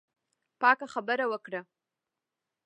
پاکه خبره وکړه.